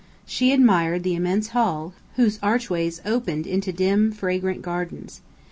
She admired the immense hall, whose archways opened into dim, fragrant gardens.